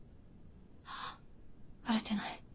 ハァバレてない。